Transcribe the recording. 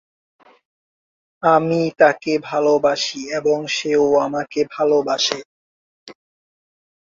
আমি তাকে ভালোবাসি এবং সেও আমাকে ভালবাসে।